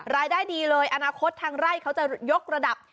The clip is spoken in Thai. รายได้ดีเลยอนาคตทางไร่เขาจะยกระดับ